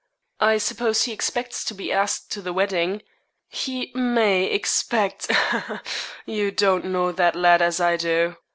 'I suppose he expects to be asked to the wedding. He may expect ha, ha, ha! You don't know that lad as I do.'